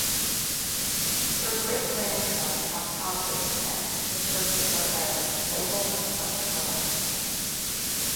Her great-grandson Alfonso the Tenth referred to her as "noble and much loved".